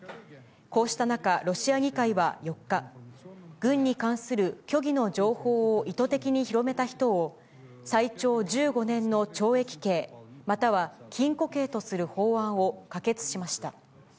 こうした中、ロシア議会は４日、軍に関する虚偽の情報を意図的に広めた人を、最長１５年の懲役刑、または禁錮刑とする法案を可決しました。